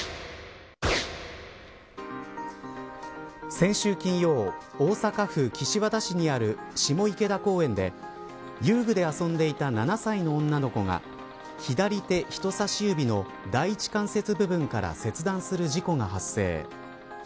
先週金曜大阪府岸和田市にある下池田公園で遊具で遊んでいた７歳の女の子が左手人差し指の第１関節部分から切断する事故が発生。